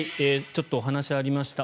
ちょっとお話がありました。